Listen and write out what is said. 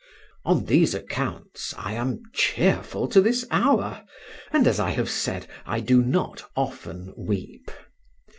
On these accounts I am cheerful to this hour, and, as I have said, I do not often weep.